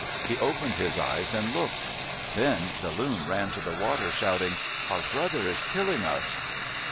He opened his eyes and looked. Then Loon ran to the water shouting, "Our brother is killing us."